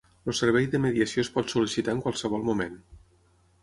El servei de mediació es pot sol·licitar en qualsevol moment.